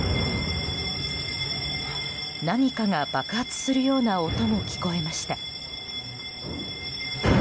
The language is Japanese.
何かが爆発するような音も聞こえました。